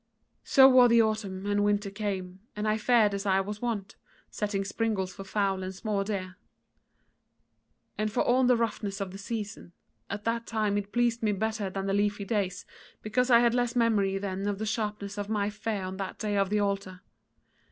"So wore the autumn, and winter came, and I fared as I was wont, setting springes for fowl and small deer. And for all the roughness of the season, at that time it pleased me better than the leafy days, because I had less memory then of the sharpness of my fear on that day of the altar.